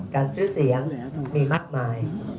การซื้อเสียงมีมากมาย